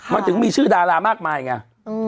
มันถึงมีชื่อดารามากมายไง